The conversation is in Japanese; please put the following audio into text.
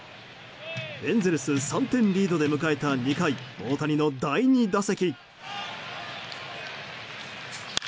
エンゼルス３点リードで迎えた２回大谷の第２打席。